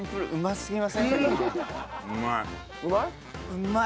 うまい。